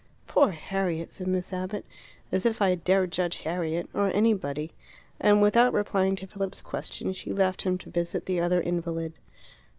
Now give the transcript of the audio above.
"Poor Harriet!" said Miss Abbott. "As if I dare judge Harriet! Or anybody." And without replying to Philip's question she left him to visit the other invalid.